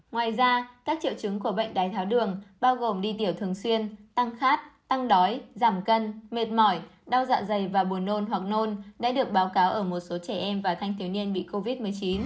ngoài ra các triệu chứng của bệnh đái tháo đường bao gồm đi tiểu thường xuyên tăng khát tăng đói giảm cân mệt mỏi đau dạ dày và buồn nôn hoặc nôn đã được báo cáo ở một số trẻ em và thanh thiếu niên bị covid một mươi chín